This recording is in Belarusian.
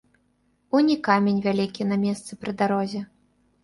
Унь і камень вялікі на месцы пры дарозе.